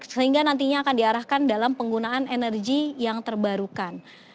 sehingga nantinya akan diarahkan dalam penggunaan energi yang terbarukan